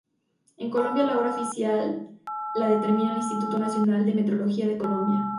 En Colombia la hora oficial la determina el Instituto Nacional de Metrología de Colombia.